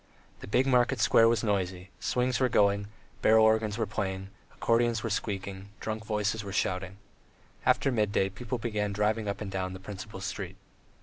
The big market square was noisy, swings were going, barrel organs were playing, accordions were squeaking, drunken voices were shouting. After midday people began driving up and down the principal street.